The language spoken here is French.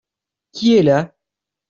Qui est là ?